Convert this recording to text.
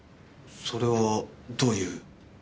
それはどういう？